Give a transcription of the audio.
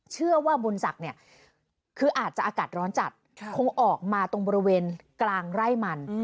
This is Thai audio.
เชื่อว่าบุญศักดิ์เนี่ยคืออาจจะอากาศร้อนจัดคงออกมาตรงบริเวณกลางไร่มัน